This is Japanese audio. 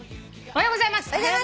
おはようございます。